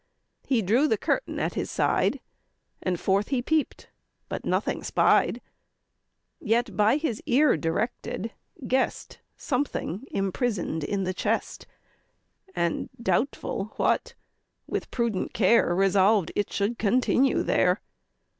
He drew the curtain at his side, And forth he peep'd, but nothing spied. Yet, by his ear directed, guess'd Something imprison'd in the chest, And, doubtful what, with prudent care Resolved it should continue there.